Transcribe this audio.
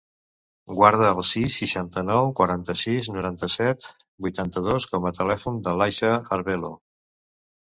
Guarda el sis, seixanta-nou, quaranta-sis, noranta-set, vuitanta-dos com a telèfon de l'Aixa Arvelo.